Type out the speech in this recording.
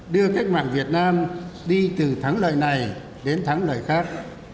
đưa cách mạng việt nam đi từ thắng lợi này đến thắng lợi khác